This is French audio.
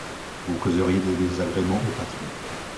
Vous causeriez des désagréments au patron.